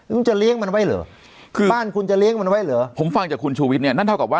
มันจะเลี้ยงมันไว้เหรอคือบ้านคุณจะเลี้ยงมันไว้เหรอผมฟังจากคุณชูวิทยเนี่ยนั่นเท่ากับว่า